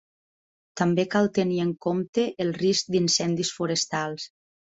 També cal tenir en compte el risc d'incendis forestals.